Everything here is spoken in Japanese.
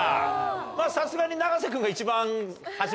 さすがに永瀬君が一番初めに分かった。